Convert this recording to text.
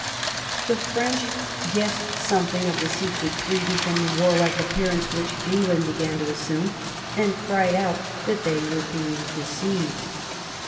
The French guessed something of the secret treaty from the warlike appearance which England began to assume, and cried out that they were being deceived.